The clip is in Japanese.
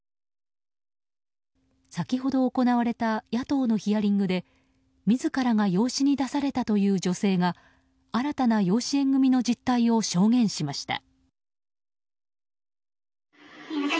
先ほど行われた野党のヒアリングで自らが養子に出されたという女性が新たな養子縁組の実態を証言しました。